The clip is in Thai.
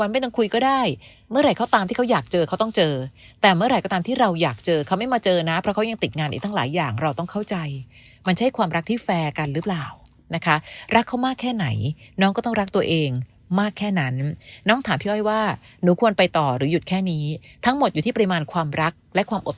ไม่ต้องคุยก็ได้เมื่อไหร่เขาตามที่เขาอยากเจอเขาต้องเจอแต่เมื่อไหร่ก็ตามที่เราอยากเจอเขาไม่มาเจอนะเพราะเขายังติดงานอีกตั้งหลายอย่างเราต้องเข้าใจมันใช่ความรักที่แฟร์กันหรือเปล่านะคะรักเขามากแค่ไหนน้องก็ต้องรักตัวเองมากแค่นั้นน้องถามพี่อ้อยว่าหนูควรไปต่อหรือหยุดแค่นี้ทั้งหมดอยู่ที่ปริมาณความรักและความอด